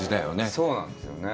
そうなんですよね。